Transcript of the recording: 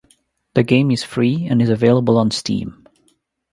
The game is free and is available on Steam.